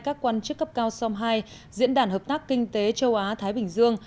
các quan chức cấp cao som hai diễn đàn hợp tác kinh tế châu á thái bình dương